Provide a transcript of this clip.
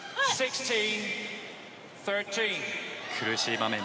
苦しい場面